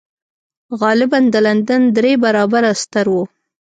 غالباً د لندن درې برابره ستر و